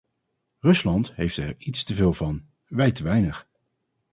Rusland heeft er iets te veel van, wij te weinig.